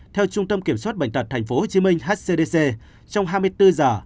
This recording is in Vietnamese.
theo trung tâm kiểm soát bệnh tật tp hcm hcdc trong hai mươi bốn giờ